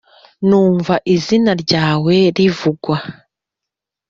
numva izina ryawe rivugwa,